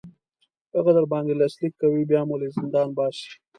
هغه در باندې لاسلیک کوي بیا مو له زندان باسي.